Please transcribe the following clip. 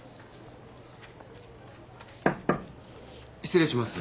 失礼します。